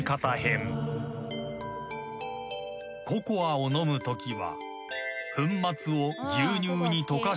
［ココアを飲むときは］